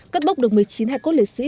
cất bốc được một mươi chín hải cốt liệt sĩ